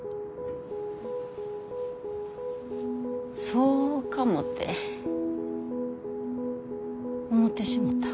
そうかもて思てしもた。